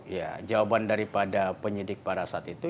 ya jawaban daripada penyidik pada saat itu